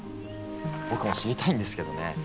僕も知りたいんですけどね